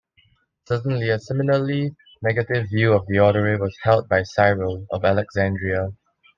Certainly a similarly negative view of Diodore was held by Cyril of Alexandria.